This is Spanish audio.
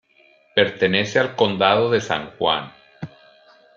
Pertenece al condado de San Juan.